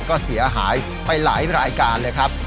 ก็เสียหายไปหลายรายการเลยครับ